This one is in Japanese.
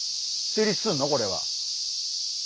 成立するのこれは？